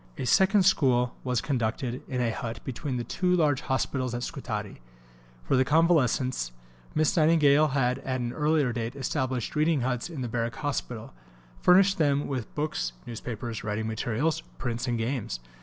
A second school was conducted in a hut between the two large hospitals at Scutari. For the convalescents, Miss Nightingale had at an earlier date established reading huts in the Barrack Hospital, furnishing them with books, newspapers, writing materials, prints, and games.